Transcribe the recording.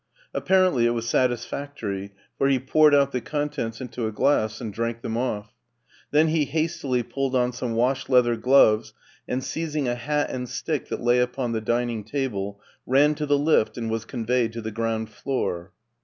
Apparently it was satisfactory, for he poured out the contents into a glass and drank them off. Then he hastily pulled on some wash leather gloves, and seizing a hat and stick that lay upon the dining table, ran to the lift and was conveyed to the ground floor.